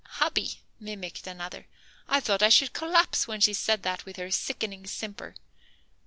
"Hubby," mimicked another, "I thought I should collapse when she said that with her sickening simper."